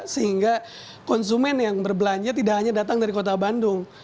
sehingga konsumen yang berbelanja tidak hanya datang dari kota bandung